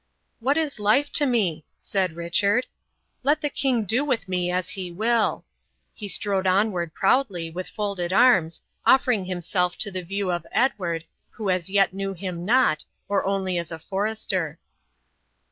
"What is life to me?" said Richard. "Let the king do with me as he will." He strode onward proudly, with folded arms, offering himself to the view of Edward, who as yet saw him not, or only as a forester.